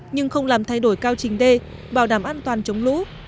nhưng không làm thay đổi cao trình đê bảo đảm an toàn chống lũ